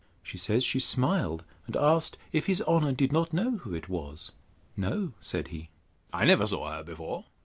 She says, she smiled, and asked, If his honour did not know who it was? No, said he, I never saw her before.